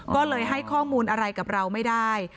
ก็เลยให้ข้อมูลอะไรกับเราไม่ได้